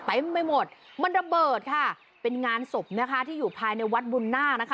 ไปหมดมันระเบิดค่ะเป็นงานศพนะคะที่อยู่ภายในวัดบุญนาคนะคะ